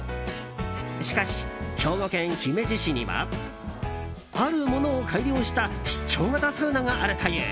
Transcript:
しかし、兵庫県姫路市にはあるものを改良した出張型サウナがあるという。